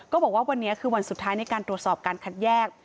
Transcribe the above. บอกว่าวันนี้คือวันสุดท้ายในการตรวจสอบการคัดแยก